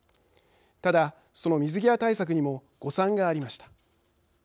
ただ、その水際対策にも誤算がありました。